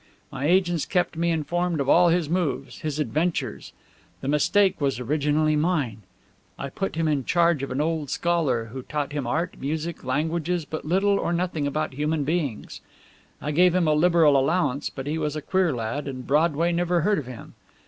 My agents kept me informed of all his moves, his adventures. The mistake was originally mine. I put him in charge of an old scholar who taught him art, music, languages, but little or nothing about human beings. I gave him a liberal allowance; but he was a queer lad, and Broadway never heard of him.